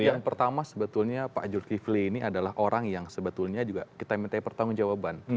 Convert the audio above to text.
yang pertama sebetulnya pak zulkifli ini adalah orang yang sebetulnya juga kita minta pertanggung jawaban